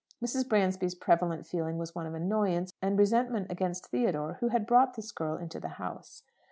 Mrs. Bransby's prevalent feeling was one of annoyance, and resentment against Theodore, who had brought this girl into the house.